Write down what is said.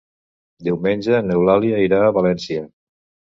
Diumenge n'Eulàlia irà a València.